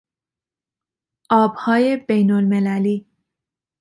آبهای بینالمللی